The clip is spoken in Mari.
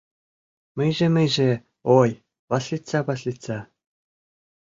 - Мыйже-мыйже, ой, Васлица, Васлица